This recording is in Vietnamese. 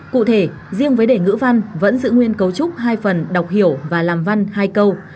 cụ thể riêng với đề ngữ văn vẫn giữ nguyên cấu trúc hai phần đọc hiểu và làm văn hai câu